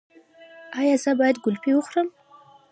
ایا زه باید ګلپي وخورم؟